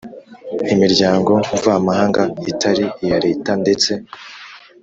imiryango mvamahanga itari iya Leta ndetse